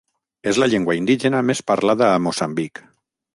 És la llengua indígena més parlada a Moçambic.